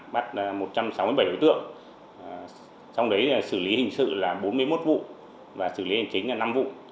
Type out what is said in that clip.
bắt một trăm sáu mươi bảy đối tượng trong đấy xử lý hình sự là bốn mươi một vụ và xử lý hình chính là năm vụ